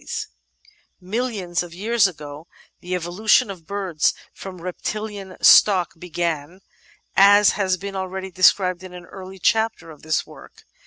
s 1 Millions of years ago the evolution of birds from a reptilian stock began, as has been already described in an early chapter of this work.